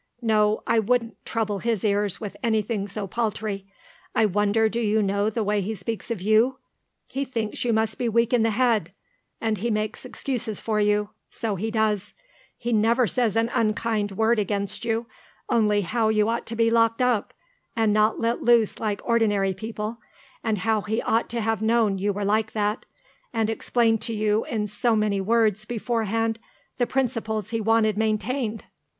No, I wouldn't trouble his ears with anything so paltry. I wonder do you know the way he speaks of you? He thinks you must be weak in the head, and he makes excuses for you, so he does; he never says an unkind word against you, only how you ought to be locked up and not let loose like ordinary people, and how he ought to have known you were like that and explained to you in so many words beforehand the principles he wanted maintained.